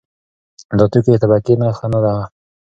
دا توکی د طبقې نښه نه وه.